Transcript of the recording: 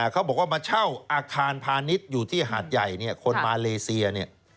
เขาบอกว่ามาเช่าอาคารพาณิชย์อยู่ที่หาดใหญ่เนี่ยคนมาเลเซียเนี่ย